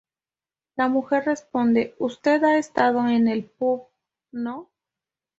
La mujer responde: "Usted ha estado en el pub, ¿no?".